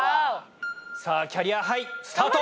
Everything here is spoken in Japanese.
さぁキャリアハイスタート！